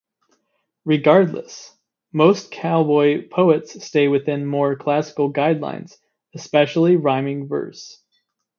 Regardless, most cowboy poets stay within more classical guidelines, especially rhyming verse.